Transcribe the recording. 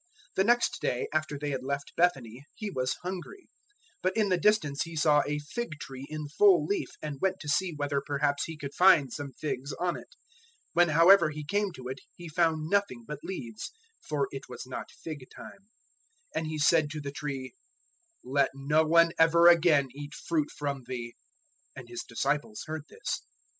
011:012 The next day, after they had left Bethany, He was hungry. 011:013 But in the distance He saw a fig tree in full leaf, and went to see whether perhaps He could find some figs on it. When however He came to it, He found nothing but leaves (for it was not fig time); 011:014 and He said to the tree, "Let no one ever again eat fruit from thee!" And His disciples heard this.